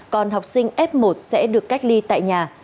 còn học sinh f một sẽ được cách ly tại nhà